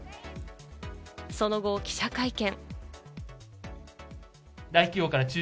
その後、記者会見。